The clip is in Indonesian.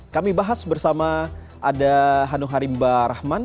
kami bahas bersama ada hanu harimba rahman